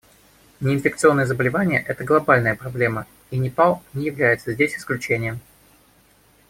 Неинфекционные заболевания — это глобальная проблема, и Непал не является здесь исключением.